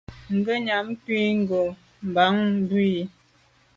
Ngùnyàm kwé ngo’ bàn bu i,